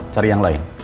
cari yang lain